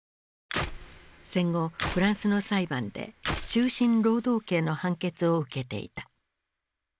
戦後フランスの裁判で終身労働刑の判決を受けていた。